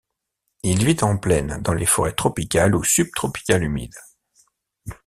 Il vit en plaine, dans les forêts tropicales ou subtropicales humides.